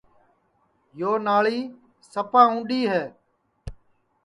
یو ناݪی سپا اُںٚڈؔی ہے